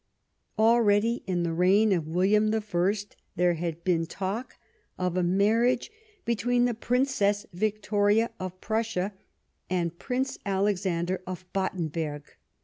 Already in the reign of William I there had been talk of a marriage between the Princess Victoria of Prussia and Prince Alexander of Battenberg.